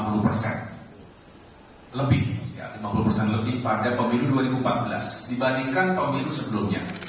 lebih lima puluh persen lebih pada pemilu dua ribu empat belas dibandingkan pemilu sebelumnya